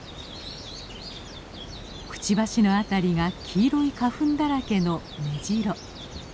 くちばしの辺りが黄色い花粉だらけのメジロ。